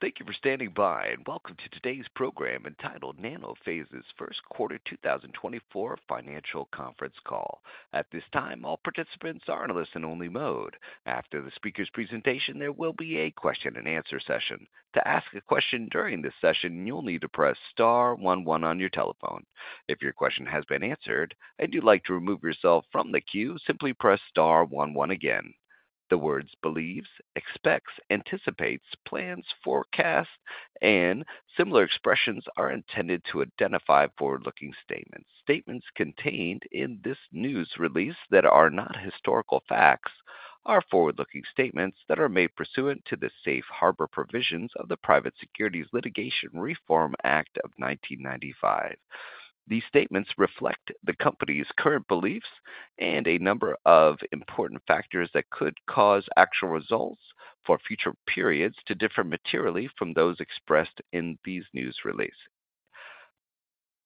Thank you for standing by, and welcome to today's program, entitled Nanophase's First Quarter 2024 Financial Conference Call. At this time, all participants are in a listen-only mode. After the speaker's presentation, there will be a question-and-answer session. To ask a question during this session, you'll need to press star one one on your telephone. If your question has been answered and you'd like to remove yourself from the queue, simply press star one one again. The words believes, expects, anticipates, plans, forecasts, and similar expressions are intended to identify forward-looking statements. Statements contained in this news release that are not historical facts are forward-looking statements that are made pursuant to the Safe Harbor Provisions of the Private Securities Litigation Reform Act of 1995. These statements reflect the company's current beliefs and a number of important factors that could cause actual results for future periods to differ materially from those expressed in these news releases.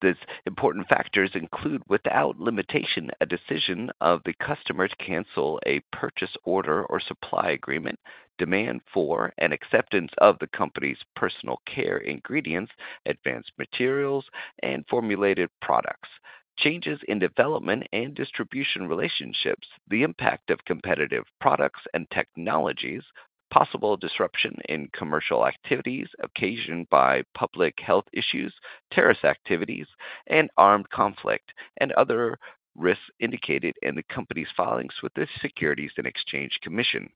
These important factors include, without limitation, a decision of the customer to cancel a purchase order or supply agreement, demand for and acceptance of the company's personal care ingredients, advanced materials, and formulated products, changes in development and distribution relationships, the impact of competitive products and technologies, possible disruption in commercial activities occasioned by public health issues, terrorist activities, and armed conflict, and other risks indicated in the company's filings with the Securities and Exchange Commission.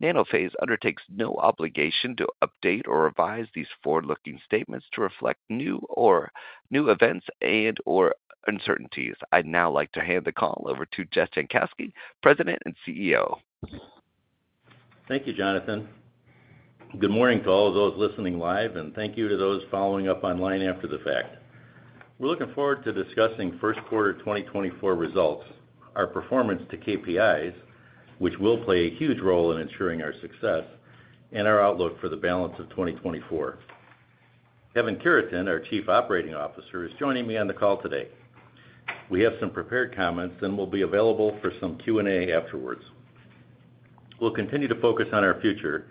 Nanophase undertakes no obligation to update or revise these forward-looking statements to reflect new or new events and/or uncertainties. I'd now like to hand the call over to Jess Jankowski, President and CEO. Thank you, Jonathan. Good morning to all those listening live, and thank you to those following up online after the fact. We're looking forward to discussing first quarter 2024 results, our performance to KPIs, which will play a huge role in ensuring our success, and our outlook for the balance of 2024. Kevin Cureton, our Chief Operating Officer, is joining me on the call today. We have some prepared comments and will be available for some Q&A afterward. We'll continue to focus on our future,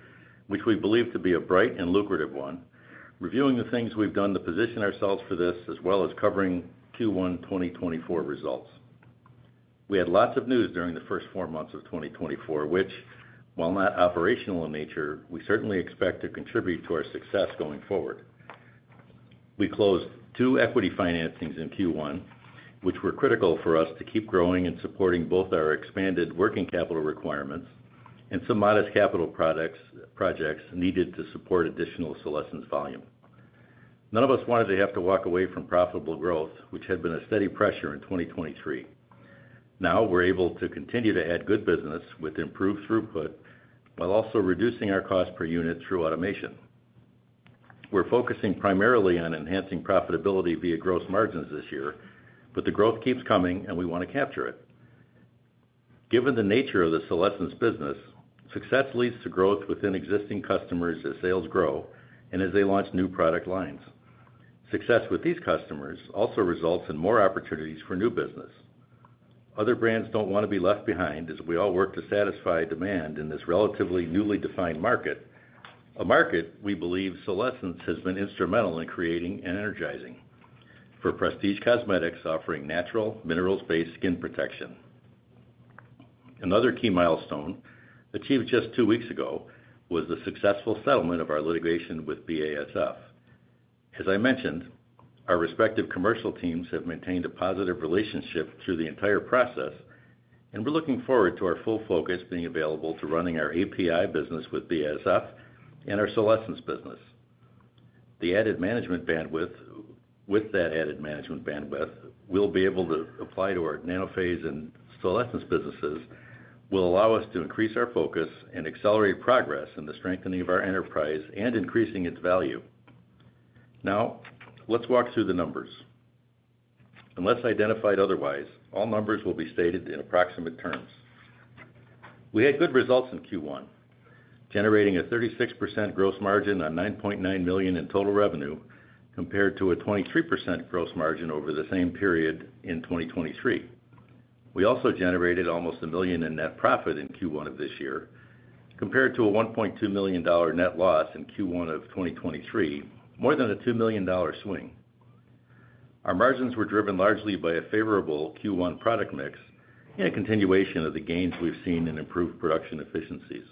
which we believe to be a bright and lucrative one, reviewing the things we've done to position ourselves for this, as well as covering Q1 2024 results. We had lots of news during the first 4 months of 2024, which, while not operational in nature, we certainly expect to contribute to our success going forward. We closed two equity financings in Q1, which were critical for us to keep growing and supporting both our expanded working capital requirements and some modest capital projects needed to support additional Solesence volume. None of us wanted to have to walk away from profitable growth, which had been a steady pressure in 2023. Now, we're able to continue to add good business with improved throughput, while also reducing our cost per unit through automation. We're focusing primarily on enhancing profitability via gross margins this year, but the growth keeps coming, and we want to capture it. Given the nature of the Solesence business, success leads to growth within existing customers as sales grow and as they launch new product lines. Success with these customers also results in more opportunities for new business. Other brands don't want to be left behind as we all work to satisfy demand in this relatively newly defined market, a market we believe Solesence has been instrumental in creating and energizing for prestige cosmetics offering natural, minerals-based skin protection. Another key milestone, achieved just 2 weeks ago, was the successful settlement of our litigation with BASF. As I mentioned, our respective commercial teams have maintained a positive relationship through the entire process, and we're looking forward to our full focus being available to running our API business with BASF and our Solesence business. With that added management bandwidth, we'll be able to apply to our Nanophase and Solesence businesses will allow us to increase our focus and accelerate progress in the strengthening of our enterprise and increasing its value. Now, let's walk through the numbers. Unless identified otherwise, all numbers will be stated in approximate terms. We had good results in Q1, generating a 36% gross margin on $9.9 million in total revenue, compared to a 23% gross margin over the same period in 2023. We also generated almost $1 million in net profit in Q1 of this year, compared to a $1.2 million net loss in Q1 of 2023, more than a $2 million swing. Our margins were driven largely by a favorable Q1 product mix and a continuation of the gains we've seen in improved production efficiencies.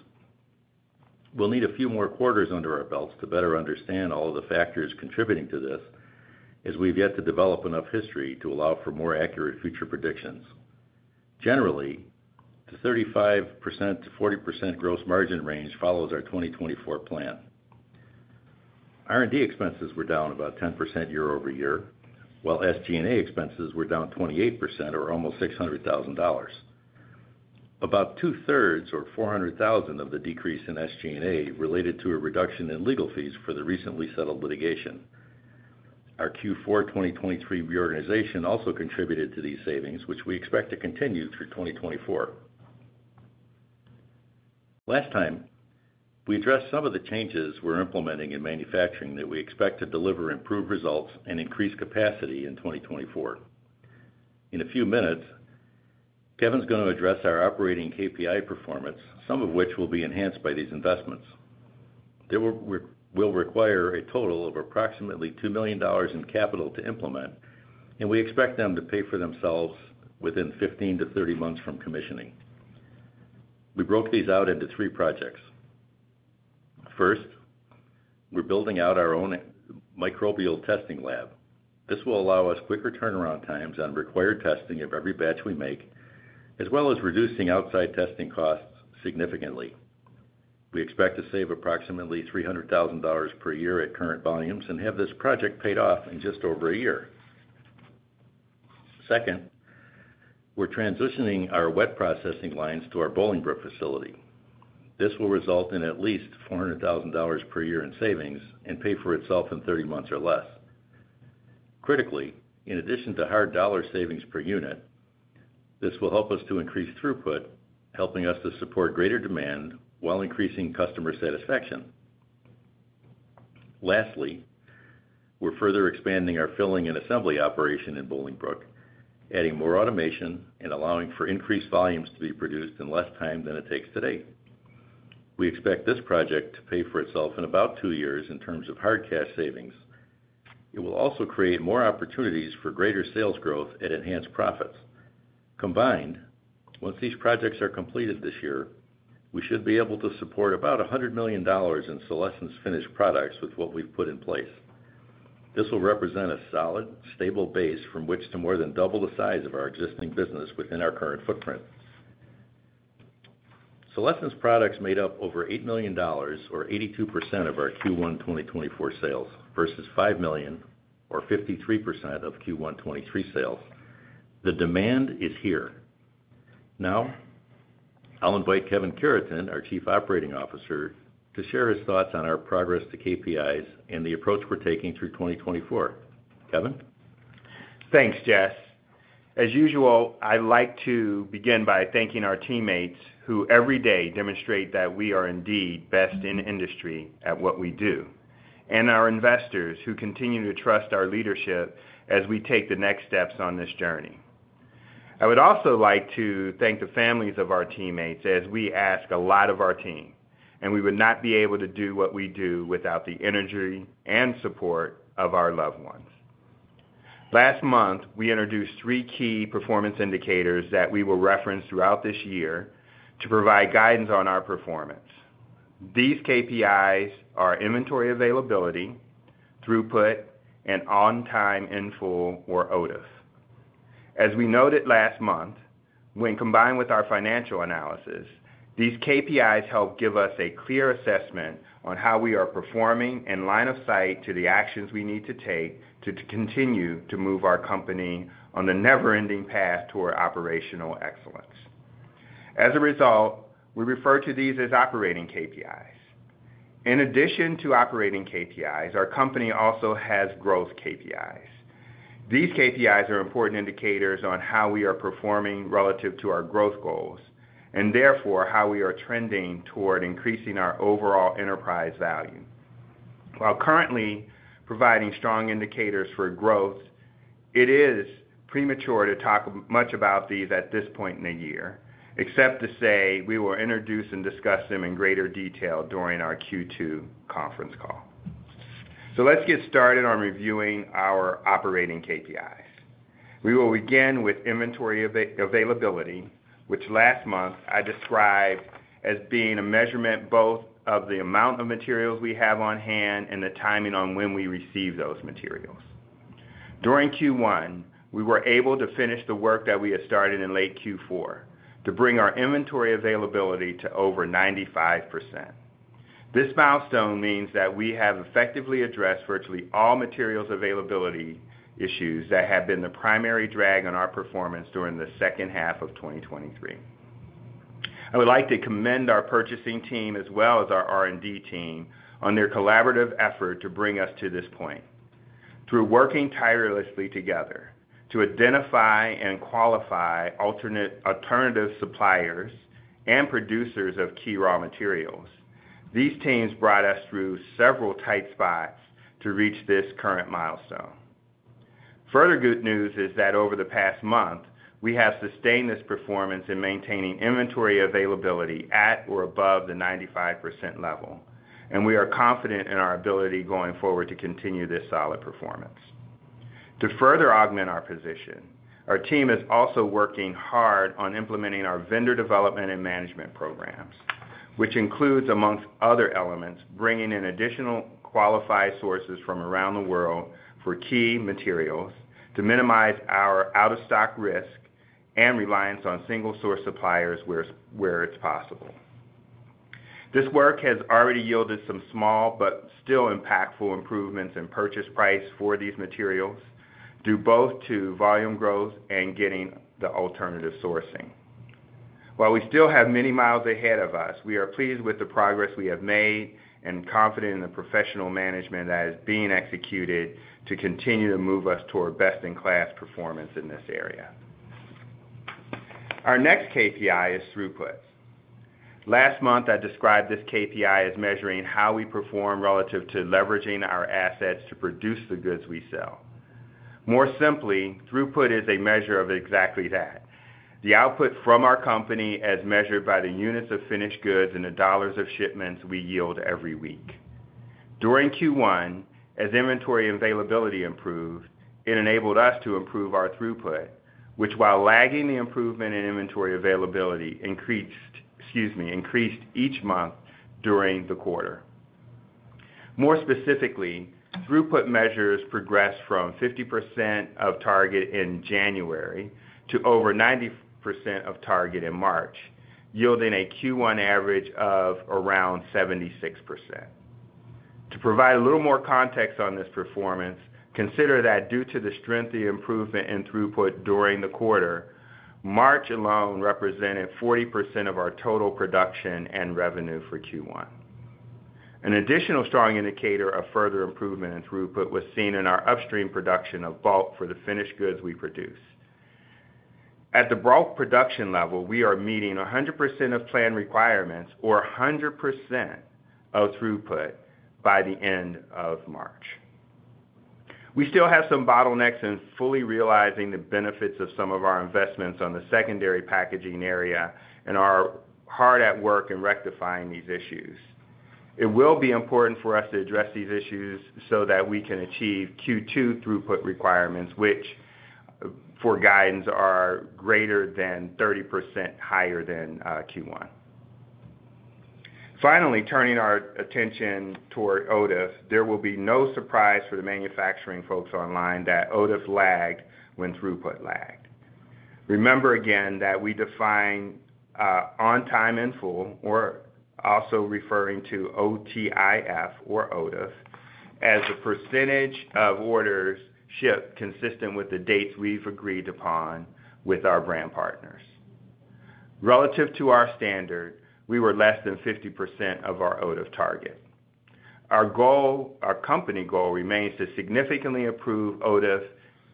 We'll need a few more quarters under our belts to better understand all of the factors contributing to this, as we've yet to develop enough history to allow for more accurate future predictions. Generally, the 35%-40% gross margin range follows our 2024 plan. R&D expenses were down about 10% year-over-year, while SG&A expenses were down 28% or almost $600,000. About two-thirds or $400,000 of the decrease in SG&A related to a reduction in legal fees for the recently settled litigation. Our Q4 2023 reorganization also contributed to these savings, which we expect to continue through 2024. Last time, we addressed some of the changes we're implementing in manufacturing that we expect to deliver improved results and increase capacity in 2024. In a few minutes, Kevin's gonna address our operating KPI performance, some of which will be enhanced by these investments. They will require a total of approximately $2 million in capital to implement, and we expect them to pay for themselves within 15-30 months from commissioning. We broke these out into three projects. First, we're building out our own microbial testing lab. This will allow us quicker turnaround times on required testing of every batch we make, as well as reducing outside testing costs significantly. We expect to save approximately $300,000 per year at current volumes and have this project paid off in just over a year. Second, we're transitioning our wet processing lines to our Bolingbrook facility. This will result in at least $400,000 per year in savings and pay for itself in 30 months or less. Critically, in addition to hard dollar savings per unit, this will help us to increase throughput, helping us to support greater demand while increasing customer satisfaction. Lastly, we're further expanding our filling and assembly operation in Bolingbrook, adding more automation and allowing for increased volumes to be produced in less time than it takes today. We expect this project to pay for itself in about two years in terms of hard cash savings. It will also create more opportunities for greater sales growth and enhanced profits. Combined, once these projects are completed this year, we should be able to support about $100 million in Solesence finished products with what we've put in place. This will represent a solid, stable base from which to more than double the size of our existing business within our current footprint. Solesence products made up over $8 million or 82% of our Q1 2024 sales, versus $5 million or 53% of Q1 2023 sales. The demand is here. Now, I'll invite Kevin Cureton, our Chief Operating Officer, to share his thoughts on our progress to KPIs and the approach we're taking through 2024. Kevin? Thanks, Jess. As usual, I'd like to begin by thanking our teammates, who every day demonstrate that we are indeed best in industry at what we do, and our investors, who continue to trust our leadership as we take the next steps on this journey. I would also like to thank the families of our teammates as we ask a lot of our team, and we would not be able to do what we do without the energy and support of our loved ones. Last month, we introduced three key performance indicators that we will reference throughout this year to provide guidance on our performance. These KPIs are inventory availability, throughput, and on-time in-full, or OTIF. As we noted last month, when combined with our financial analysis, these KPIs help give us a clear assessment on how we are performing and line of sight to the actions we need to take to continue to move our company on the never-ending path toward operational excellence. As a result, we refer to these as operating KPIs. In addition to operating KPIs, our company also has growth KPIs. These KPIs are important indicators on how we are performing relative to our growth goals, and therefore, how we are trending toward increasing our overall enterprise value. While currently providing strong indicators for growth, it is premature to talk much about these at this point in the year, except to say, we will introduce and discuss them in greater detail during our Q2 conference call. Let's get started on reviewing our operating KPIs. We will begin with inventory availability, which last month I described as being a measurement, both of the amount of materials we have on hand and the timing on when we receive those materials. During Q1, we were able to finish the work that we had started in late Q4 to bring our inventory availability to over 95%. This milestone means that we have effectively addressed virtually all materials availability issues that have been the primary drag on our performance during the second half of 2023. I would like to commend our purchasing team, as well as our R&D team, on their collaborative effort to bring us to this point. Through working tirelessly together to identify and qualify alternative suppliers and producers of key raw materials, these teams brought us through several tight spots to reach this current milestone. Further good news is that over the past month, we have sustained this performance in maintaining inventory availability at or above the 95% level, and we are confident in our ability going forward to continue this solid performance. To further augment our position, our team is also working hard on implementing our vendor development and management programs, which includes, among other elements, bringing in additional qualified sources from around the world for key materials to minimize our out-of-stock risk and reliance on single-source suppliers where it's possible. This work has already yielded some small but still impactful improvements in purchase price for these materials, due both to volume growth and getting the alternative sourcing. While we still have many miles ahead of us, we are pleased with the progress we have made and confident in the professional management that is being executed to continue to move us toward best-in-class performance in this area. Our next KPI is throughput. Last month, I described this KPI as measuring how we perform relative to leveraging our assets to produce the goods we sell. More simply, throughput is a measure of exactly that, the output from our company as measured by the units of finished goods and the dollars of shipments we yield every week. During Q1, as inventory availability improved, it enabled us to improve our throughput, which while lagging the improvement in inventory availability, increased, excuse me, increased each month during the quarter. More specifically, throughput measures progressed from 50% of target in January to over 90% of target in March, yielding a Q1 average of around 76%. To provide a little more context on this performance, consider that due to the strength of the improvement in throughput during the quarter, March alone represented 40% of our total production and revenue for Q1. An additional strong indicator of further improvement in throughput was seen in our upstream production of bulk for the finished goods we produce. At the bulk production level, we are meeting 100% of plan requirements or 100% of throughput by the end of March. We still have some bottlenecks in fully realizing the benefits of some of our investments on the secondary packaging area and are hard at work in rectifying these issues. It will be important for us to address these issues so that we can achieve Q2 throughput requirements, which, for guidance, are greater than 30% higher than Q1. Finally, turning our attention toward OTIF, there will be no surprise for the manufacturing folks online that OTIF lagged when throughput lagged. Remember again, that we define on time in full, or also referring to OTIF or OTIF, as a percentage of orders shipped consistent with the dates we've agreed upon with our brand partners. Relative to our standard, we were less than 50% of our OTIF target. Our goal, our company goal remains to significantly improve OTIF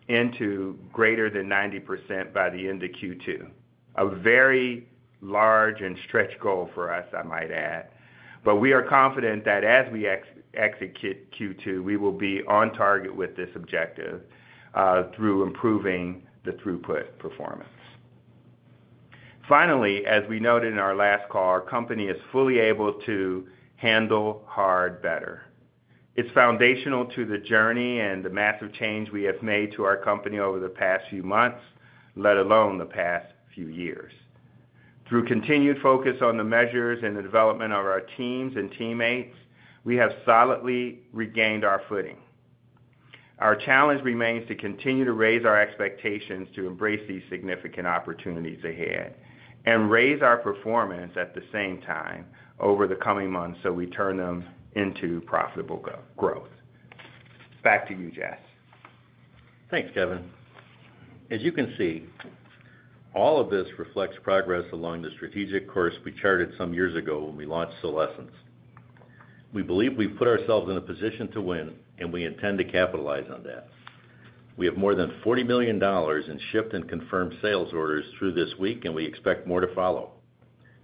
into greater than 90% by the end of Q2, a very large and stretch goal for us, I might add. But we are confident that as we execute Q2, we will be on target with this objective through improving the throughput performance. Finally, as we noted in our last call, our company is fully able to handle hard better. It's foundational to the journey and the massive change we have made to our company over the past few months, let alone the past few years. Through continued focus on the measures and the development of our teams and teammates, we have solidly regained our footing. Our challenge remains to continue to raise our expectations to embrace these significant opportunities ahead and raise our performance at the same time over the coming months, so we turn them into profitable growth. Back to you, Jess. Thanks, Kevin. As you can see, all of this reflects progress along the strategic course we charted some years ago when we launched Solesence. We believe we've put ourselves in a position to win, and we intend to capitalize on that. We have more than $40 million in shipped and confirmed sales orders through this week, and we expect more to follow.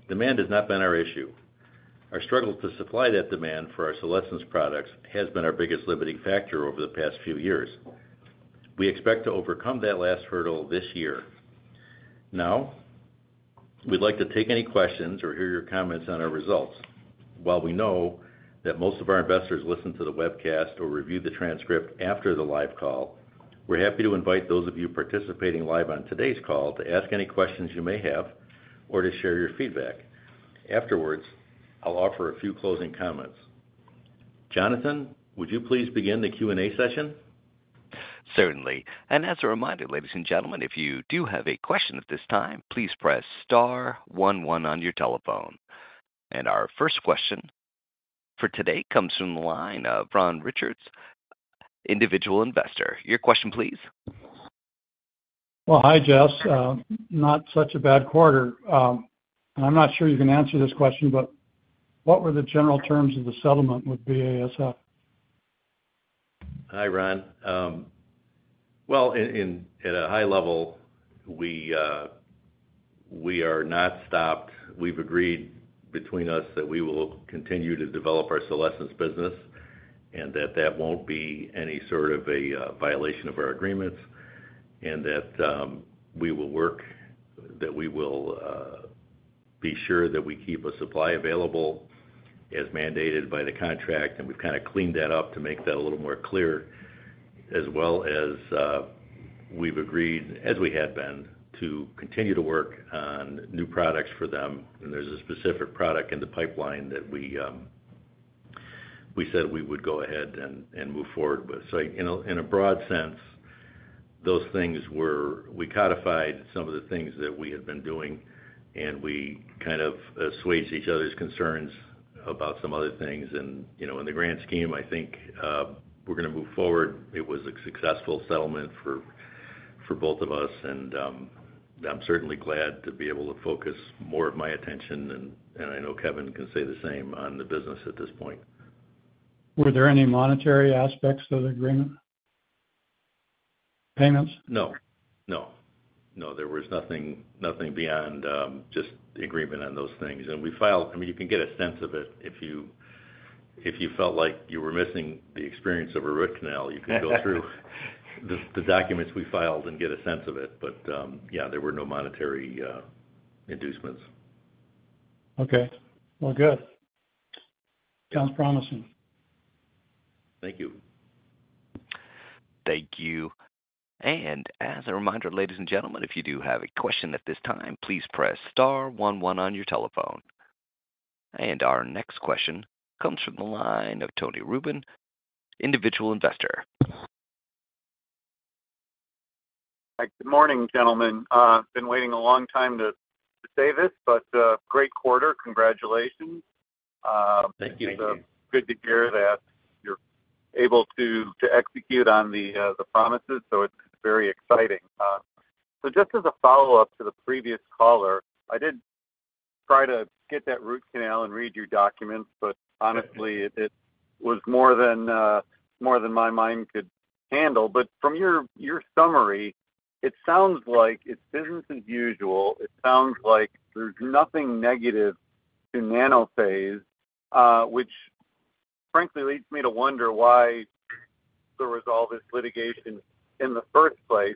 Demand has not been our issue. Our struggle to supply that demand for our Solesence products has been our biggest limiting factor over the past few years. We expect to overcome that last hurdle this year. Now, we'd like to take any questions or hear your comments on our results. While we know that most of our investors listen to the webcast or review the transcript after the live call, we're happy to invite those of you participating live on today's call to ask any questions you may have or to share your feedback. Afterwards, I'll offer a few closing comments. Jonathan, would you please begin the Q&A session? Certainly. And as a reminder, ladies and gentlemen, if you do have a question at this time, please press star one one on your telephone. And our first question for today comes from the line of Ron Richards, individual investor. Your question, please. Well, hi, Jess. Not such a bad quarter. I'm not sure you can answer this question, but what were the general terms of the settlement with BASF? Hi, Ron. Well, at a high level, we are not stopped. We've agreed between us that we will continue to develop our Solesence business, and that that won't be any sort of a violation of our agreements, and that we will work, that we will be sure that we keep a supply available as mandated by the contract. And we've kinda cleaned that up to make that a little more clear, as well as, we've agreed, as we had been, to continue to work on new products for them. And there's a specific product in the pipeline that we said we would go ahead and move forward with. So in a broad sense, those things were... We codified some of the things that we had been doing, and we kind of assuaged each other's concerns about some other things. You know, in the grand scheme, I think, we're gonna move forward. It was a successful settlement for both of us, and I'm certainly glad to be able to focus more of my attention, and I know Kevin can say the same, on the business at this point. Were there any monetary aspects to the agreement?... payments? No, no. No, there was nothing, nothing beyond just agreement on those things. And we filed. I mean, you can get a sense of it if you felt like you were missing the experience of a root canal. You could go through the documents we filed and get a sense of it. But yeah, there were no monetary inducements. Okay. Well, good. Sounds promising. Thank you. Thank you. As a reminder, ladies and gentlemen, if you do have a question at this time, please press star one one on your telephone. Our next question comes from the line of Tony Rubin, individual investor. Hi, good morning, gentlemen. Been waiting a long time to say this, but great quarter. Congratulations. Thank you. So good to hear that you're able to execute on the promises, so it's very exciting. So just as a follow-up to the previous caller, I did try to get that root canal and read your documents, but honestly, it was more than my mind could handle. But from your summary, it sounds like it's business as usual. It sounds like there's nothing negative to Nanophase, which frankly leads me to wonder why there was all this litigation in the first place.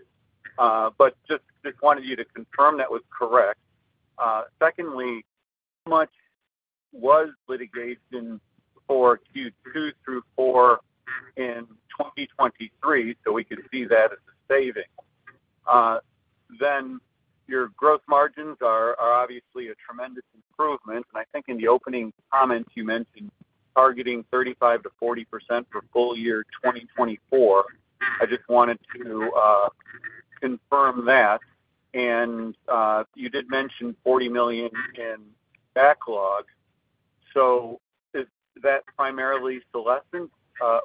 But just wanted you to confirm that was correct. Secondly, how much was litigation for Q2 through 4 in 2023, so we could see that as a saving? Then your growth margins are obviously a tremendous improvement, and I think in the opening comments, you mentioned targeting 35%-40% for full year 2024. I just wanted to confirm that. And you did mention $40 million in backlog, so is that primarily Solesence,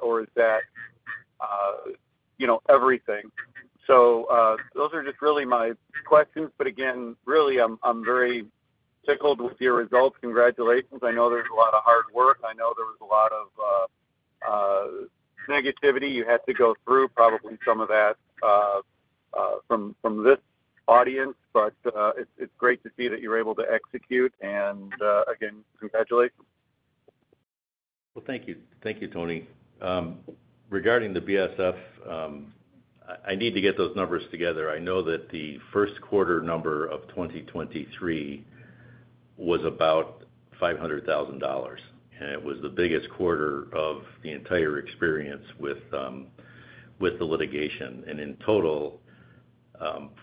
or is that, you know, everything? So those are just really my questions. But again, really, I'm very tickled with your results. Congratulations. I know there's a lot of hard work. I know there was a lot of negativity. You had to go through probably some of that from this audience, but it's great to see that you're able to execute, and again, congratulations. Well, thank you. Thank you, Tony. Regarding the BASF, I need to get those numbers together. I know that the first quarter number of 2023 was about $500,000, and it was the biggest quarter of the entire experience with the litigation. And in total,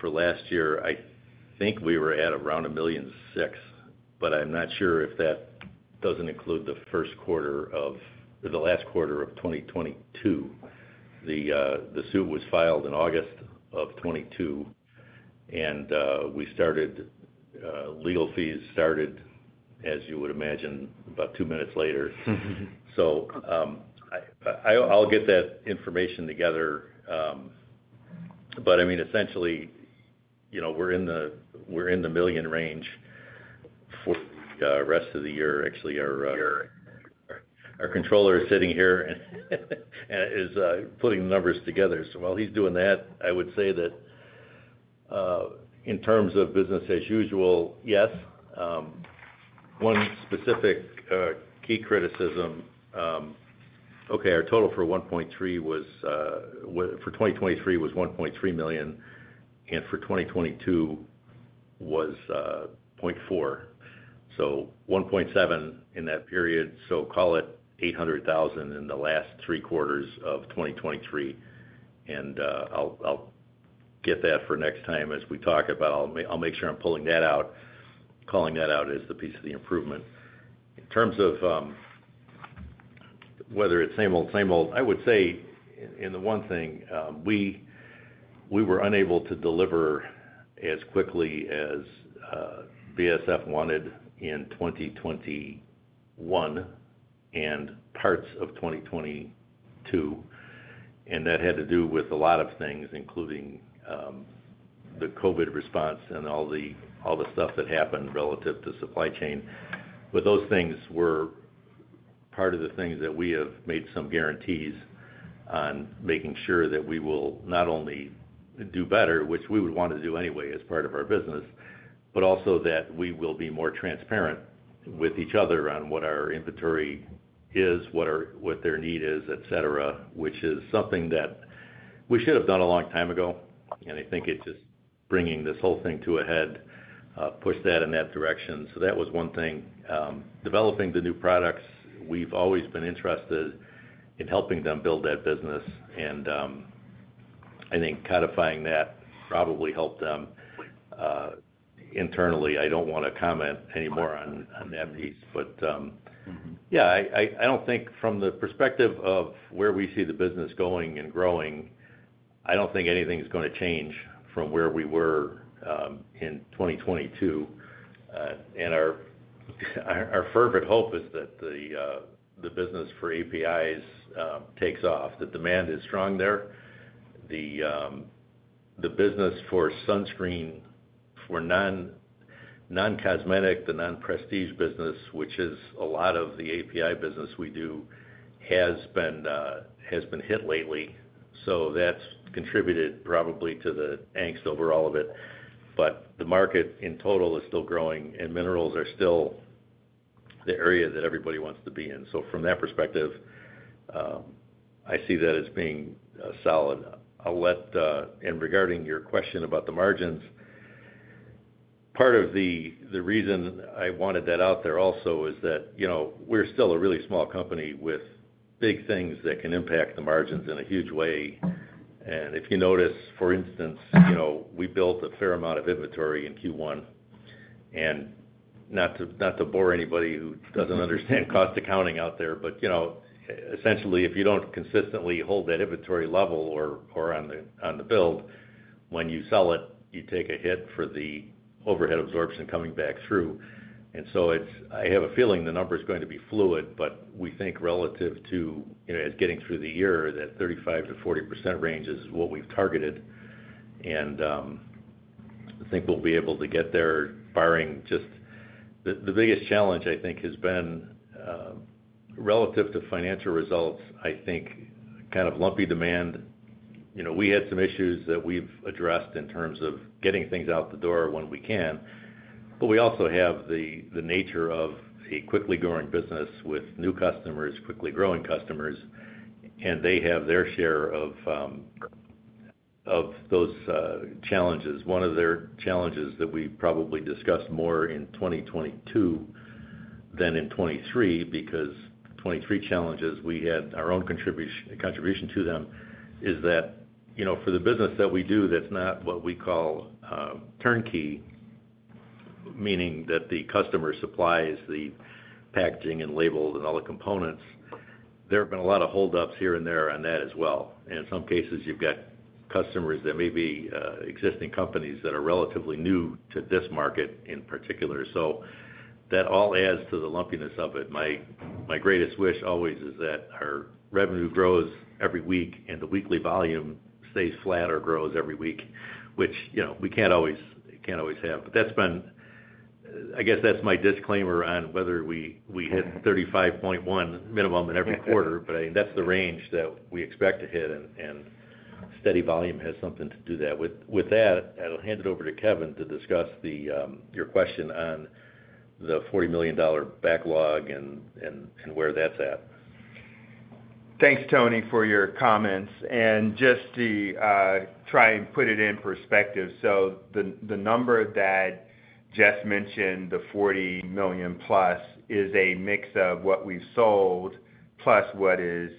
for last year, I think we were at around $1.6 million, but I'm not sure if that doesn't include the first quarter of or the last quarter of 2022. The suit was filed in August of 2022, and legal fees started, as you would imagine, about two minutes later. So, I'll get that information together. But I mean, essentially, you know, we're in the $1 million range for the rest of the year. Actually, our controller is sitting here and is putting the numbers together. So while he's doing that, I would say that in terms of business as usual, yes. One specific key criticism. Okay, our total for 1.3 was for 2023 was $1.3 million, and for 2022 was $0.4 million. So $1.7 million in that period, so call it $800,000 in the last three quarters of 2023. And I'll get that for next time as we talk about. I'll make sure I'm pulling that out, calling that out as the piece of the improvement. In terms of whether it's same old, same old, I would say in the one thing, we were unable to deliver as quickly as BASF wanted in 2021 and parts of 2022, and that had to do with a lot of things, including the COVID response and all the stuff that happened relative to supply chain. But those things were part of the things that we have made some guarantees on making sure that we will not only do better, which we would want to do anyway as part of our business, but also that we will be more transparent with each other on what our inventory is, what their need is, et cetera, which is something that we should have done a long time ago. I think it's just bringing this whole thing to a head, push that in that direction. That was one thing. Developing the new products, we've always been interested in helping them build that business, and I think codifying that probably helped them internally. I don't want to comment anymore on that piece, but Mm-hmm. Yeah, I don't think from the perspective of where we see the business going and growing, I don't think anything is gonna change from where we were in 2022. And our fervent hope is that the business for APIs takes off. The demand is strong there. The business for sunscreen, for non-cosmetic, the non-prestige business, which is a lot of the API business we do, has been hit lately, so that's contributed probably to the angst over all of it. But the market in total is still growing, and minerals are still the area that everybody wants to be in. So from that perspective, I see that as being solid. And regarding your question about the margins, part of the reason I wanted that out there also is that, you know, we're still a really small company with big things that can impact the margins in a huge way. And if you notice, for instance, you know, we built a fair amount of inventory in Q1. And not to bore anybody who doesn't understand cost accounting out there, but, you know, essentially, if you don't consistently hold that inventory level or on the build, when you sell it, you take a hit for the overhead absorption coming back through. And so it's. I have a feeling the number is going to be fluid, but we think relative to, you know, as getting through the year, that 35%-40% range is what we've targeted. I think we'll be able to get there barring just... The biggest challenge, I think, has been relative to financial results, I think, kind of lumpy demand. You know, we had some issues that we've addressed in terms of getting things out the door when we can, but we also have the nature of a quickly growing business with new customers, quickly growing customers, and they have their share of those challenges. One of their challenges that we probably discussed more in 2022 than in 2023, because 2023 challenges, we had our own contribution to them, is that, you know, for the business that we do, that's not what we call turnkey, meaning that the customer supplies the packaging and labels and all the components. There have been a lot of holdups here and there on that as well. In some cases, you've got customers that may be existing companies that are relatively new to this market in particular. That all adds to the lumpiness of it. My greatest wish always is that our revenue grows every week, and the weekly volume stays flat or grows every week, which, you know, we can't always have. But that's been... I guess that's my disclaimer on whether we hit $35.1 minimum in every quarter, but I think that's the range that we expect to hit, and steady volume has something to do with that. With that, I'll hand it over to Kevin to discuss the your question on the $40 million backlog and where that's at. Thanks, Tony, for your comments. And just to try and put it in perspective, so the number that Jess mentioned, the $40 million+, is a mix of what we've sold, plus what is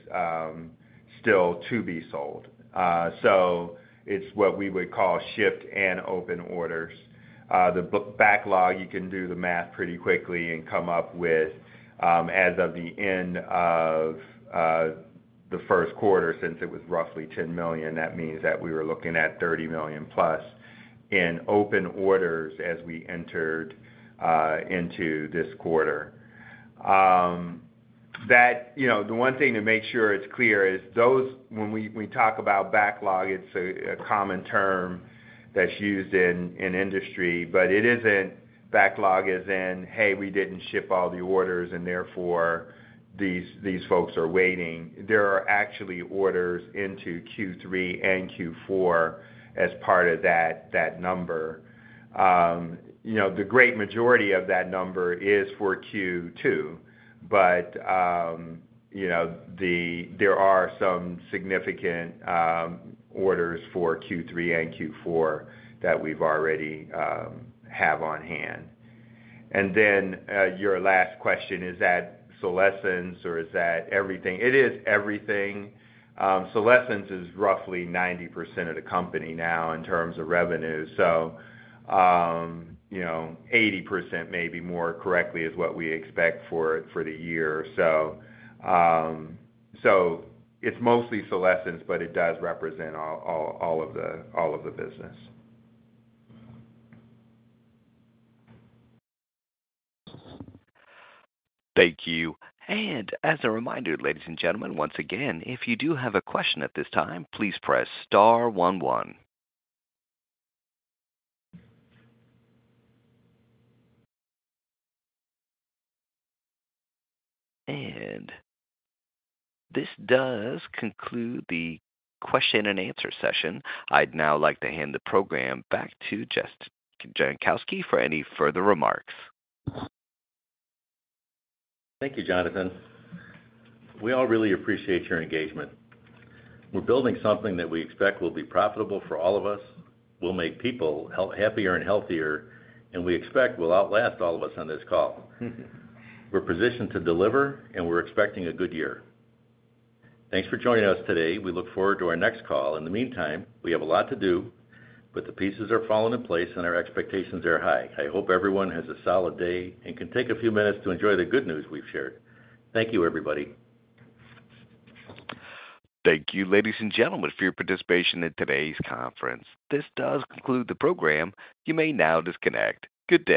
still to be sold. So it's what we would call shipped and open orders. The backlog, you can do the math pretty quickly and come up with, as of the end of the first quarter, since it was roughly $10 million, that means that we were looking at $30 million+ in open orders as we entered into this quarter. That you know, the one thing to make sure it's clear is those... When we talk about backlog, it's a common term that's used in industry, but it isn't backlog as in, "Hey, we didn't ship all the orders, and therefore, these folks are waiting." There are actually orders into Q3 and Q4 as part of that number. You know, the great majority of that number is for Q2, but you know, there are some significant orders for Q3 and Q4 that we've already have on hand. And then, your last question, is that Solesence or is that everything? It is everything. Solesence is roughly 90% of the company now in terms of revenue. So, you know, 80%, maybe more correctly, is what we expect for the year. So, so it's mostly Solesence, but it does represent all of the business. Thank you. And as a reminder, ladies and gentlemen, once again, if you do have a question at this time, please press star one one. And this does conclude the question and answer session. I'd now like to hand the program back to Jess Jankowski for any further remarks. Thank you, Jonathan. We all really appreciate your engagement. We're building something that we expect will be profitable for all of us, will make people happier and healthier, and we expect will outlast all of us on this call. We're positioned to deliver, and we're expecting a good year. Thanks for joining us today. We look forward to our next call. In the meantime, we have a lot to do, but the pieces are falling in place, and our expectations are high. I hope everyone has a solid day and can take a few minutes to enjoy the good news we've shared. Thank you, everybody. Thank you, ladies and gentlemen, for your participation in today's conference. This does conclude the program. You may now disconnect. Goodbye.